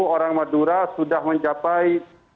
orang madura sudah mencapai